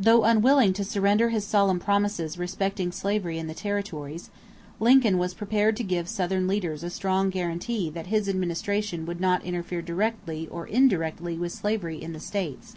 Though unwilling to surrender his solemn promises respecting slavery in the territories, Lincoln was prepared to give to Southern leaders a strong guarantee that his administration would not interfere directly or indirectly with slavery in the states.